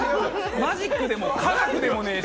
マジックでも科学でもねえし。